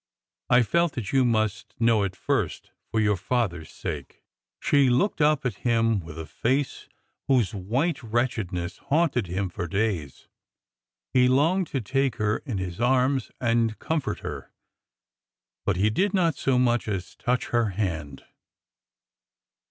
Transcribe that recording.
I felt that you must know it first, for your father's sake." She looked up at him with a face whose white wretch edness haunted him for days. He longed to take her in his arms and comfort her, but he did not so much as touch her hand.